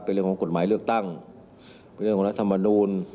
เป็นเรื่องของกฎหมายเลือกตั้งเป็นเรื่องของรัฐมนูล